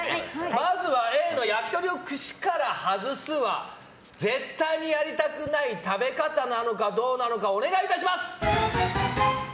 まずはＡの焼き鳥を串から外すは絶対にやりたくない食べ方なのかお願いいたします！